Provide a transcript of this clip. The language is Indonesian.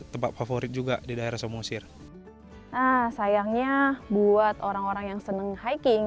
tempat favorit juga di daerah samosir sayangnya buat orang orang yang senang hiking